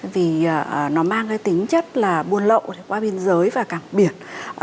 vì nó mang cái tính chất là buôn lậu qua biên giới và cảng biển